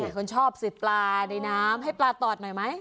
คนชอบสืบปลาในน้ำให้ปลาตอดหน่อยไหม